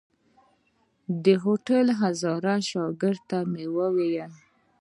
د هوټل هزاره شاګرد ته مې وويل.